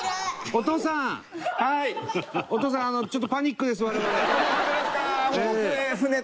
お父さんあのちょっとパニックです我々。